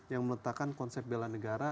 yang meletakkan konsep bela negara